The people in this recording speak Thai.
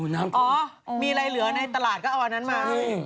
น้ำพูดอ๋อมีอะไรเหลือในตลาดก็เอาอันนั้นมา